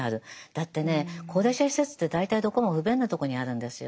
だってね高齢者施設って大体どこも不便なとこにあるんですよ。